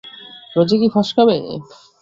রোজই কি ফসকাবে?